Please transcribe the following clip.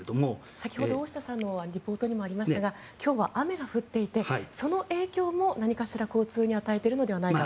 先ほど大下さんのリポートにもありましたが今日は雨が降っていてその影響も何かしら交通に影響を与えているのではないかと。